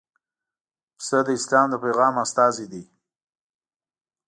پسه د اسلام د پیغام استازی دی.